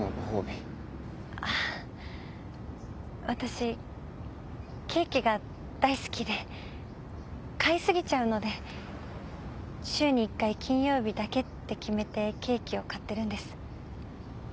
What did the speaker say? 私ケーキが大好きで買いすぎちゃうので週に一回金曜日だけって決めてケーキを買ってるんです。